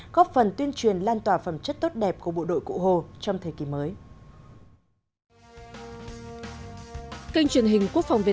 góp phần tuyên truyền lan tỏa phẩm chất tốt đẹp của bộ đội cụ hồ trong thời kỳ mới